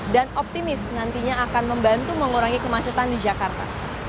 dan optimis nantinya akan membantu mengurangi kemacetan di jakarta